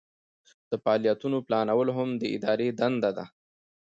د فعالیتونو پلانول هم د ادارې دنده ده.